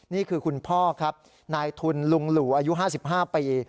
นี่คือคุณพ่อครับนายทุนลุงหลู่อายุ๕๕ปี